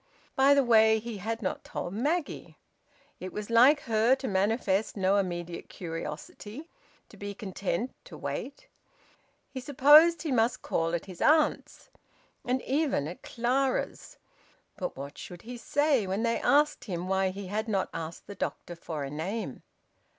... By the way, he had not told Maggie. It was like her to manifest no immediate curiosity, to be content to wait... He supposed he must call at his aunt's, and even at Clara's. But what should he say when they asked him why he had not asked the doctor for a name?